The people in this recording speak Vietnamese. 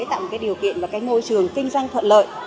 tạo một điều kiện và môi trường kinh doanh thuận lợi